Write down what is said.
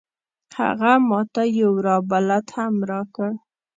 هغه ما ته یو راه بلد هم راکړ.